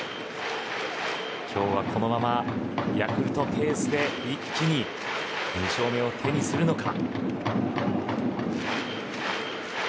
今日はこのままヤクルトペースで一気に２勝目を手にするのか。